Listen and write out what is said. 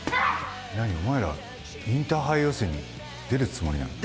何、お前らインターハイ予選に出るつもりなの？